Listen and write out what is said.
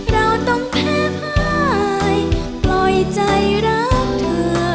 เราต้องแพ้ภายปล่อยใจรักเธอ